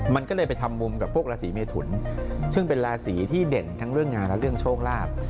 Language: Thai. มันก็เลยไปทำมุมกับพวกราศีเมทุนซึ่งเป็นราศีที่เด่นทั้งเรื่องงานและเรื่องโชคลาภ